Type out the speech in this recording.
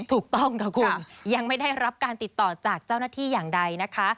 ถูกต้องค่ะคุณยังไม่ได้รับการติดต่อจากเจ้าหน้าที่อย่างใดนะคะ